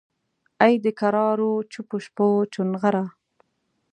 ای دکرارو چوپو شپو چونغره!